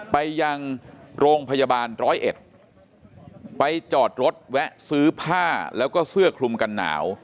ไปยังโรงพยาบาลร้อยเอ็ดไปจอดรถแวะซื้อผ้าแล้วก็เสื้อคลุมกันหนาว